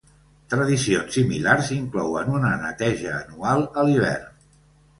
Tradicions similars inclouen una neteja anual a l'hivern.